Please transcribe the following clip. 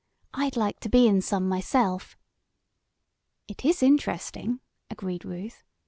I'd like to be in some myself." "It is interesting," agreed Ruth.